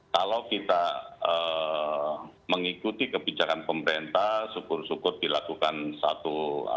kalau kita mengikuti kebijakan pemerintah syukur syukur dilakukan satu